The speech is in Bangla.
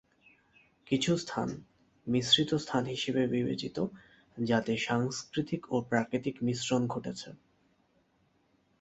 কিছু স্থান ‘মিশ্রিত স্থান’ হিসেবে বিবেচিত যাতে সাংস্কৃতিক ও প্রাকৃতিক মিশ্রণ ঘটেছে।